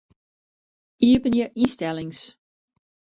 Iepenje ynstellings.